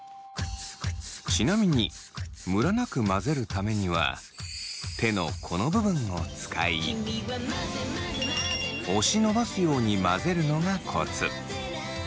ちなみにムラなく混ぜるためには手のこの部分を使い押し伸ばすように混ぜるのがコツ。